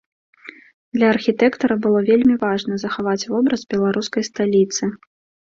Для архітэктара было вельмі важна захаваць вобраз беларускай сталіцы.